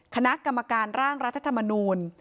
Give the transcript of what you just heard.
คณะกรรมการร่างรัฐธรรมนูล